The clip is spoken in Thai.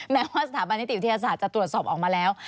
แม้ว่าสถาบันนิติวิทยาศาสตร์จะตรวจสอบออกมาแล้ว